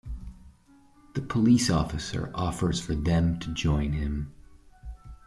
The police officer offers for them to join him.